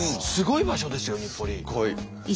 すごい場所ですよ日暮里。